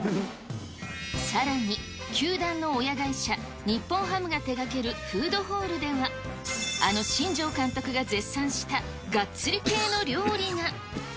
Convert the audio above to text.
さらに球団の親会社、日本ハムが手がけるフードホールでは、あの新庄監督が絶賛した、がっつり系の料理が。